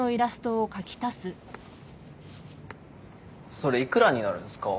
・それ幾らになるんすか？